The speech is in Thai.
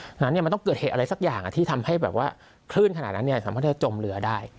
เพราะฉะนั้นมันต้องเกิดเหตุอะไรสักอย่างที่ทำให้แบบว่าคลื่นขนาดนั้นสามารถที่จะจมเรือได้